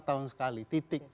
lima tahun sekali